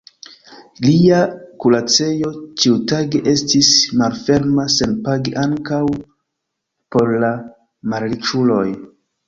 Lia kuracejo ĉiutage estis malferma senpage ankaŭ por la malriĉuloj.